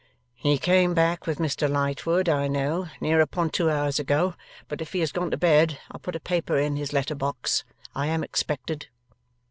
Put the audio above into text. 'He came back with Mr Lightwood, I know, near upon two hours ago. But if he has gone to bed, I'll put a paper in his letter box. I am expected.